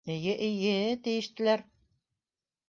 — Эйе, эйе, — тиештеләр.